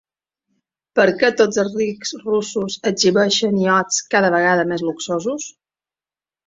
Per què tots els rics russos exhibeixen iots cada vegada més luxosos?